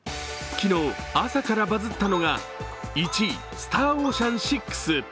昨日、朝からバズったのが１位、スターオーシャン６。